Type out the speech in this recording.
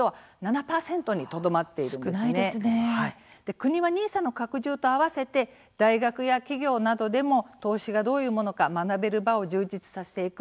国はＮＩＳＡの拡充と合わせて、大学や企業などでも投資がどういうものか学べる場を充実させていく。